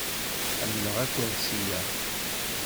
Ḥemmleɣ akersi-a.